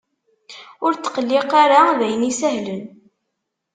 Ur ttqelliq ara! D ayen isehlen.